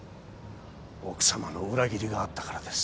奥様の裏切りがあったからです。